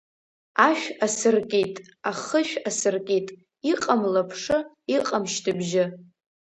Ашә асыркит, ахышә асыркит, иҟам лаԥшы, иҟам шьҭыбжьы.